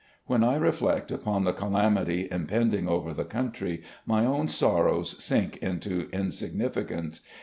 When I reflect upon the calamity impending over the country, my own sorrows sink into insignificance.